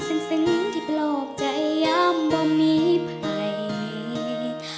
ก็ขอบใจเด้อถอยคำซึ่งที่ปลอบใจย้ำบ่มีไผ่